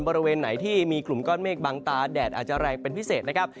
บริเวณไหนที่มีกลุ่มก้อนเมฆบังตาแดดอาจจะแรงเป็นพิเศษนะครับ